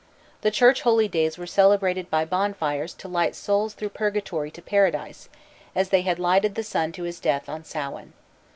The church holy days were celebrated by bonfires to light souls through Purgatory to Paradise, as they had lighted the sun to his death on Samhain.